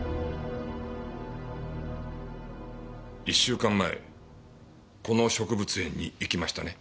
１週間前この植物園に行きましたね？